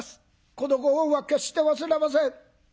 このご恩は決して忘れません。